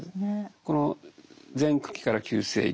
この前駆期から急性期